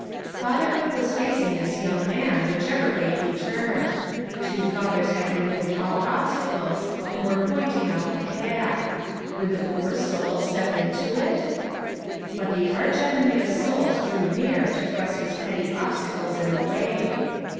Fatherhood was facing this young man which ever way he turned. Two fathers had removed all obstacles and were pointing out the path. Would the poor soul step into it? But the arch enemy of souls drew near to thrust his petty obstacles in the way.